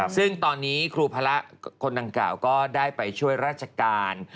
ซึ่งตอนนี้ครูพระคนดังกล่าวก็ได้ไปช่วยราชการ